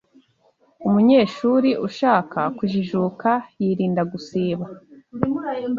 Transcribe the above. Umunyeshuri ushaka kujijuka yirinda gusiba